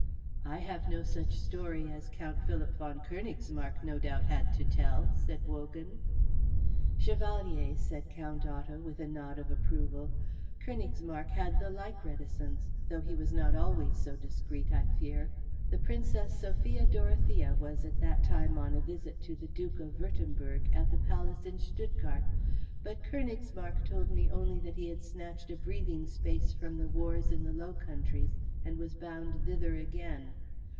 "I have no such story as Count Philip von Königsmarck no doubt had to tell," said Wogan. "Chevalier," said Count Otto, with a nod of approval, "Königsmarck had the like reticence, though he was not always so discreet, I fear. The Princess Sophia Dorothea was at that time on a visit to the Duke of Würtemberg at the palace in Stuttgart, but Königsmarck told me only that he had snatched a breathing space from the wars in the Low Countries and was bound thither again.